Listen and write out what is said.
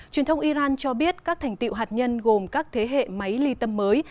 truyền thông iran cho biết các thành tiệu hạt nhân gồm các thế hệ máy ly tâm mới